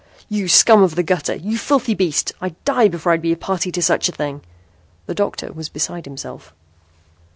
"You scum of the gutter. You filthy beast. I'd die before I'd be a party to such a thing!" The doctor was beside himself.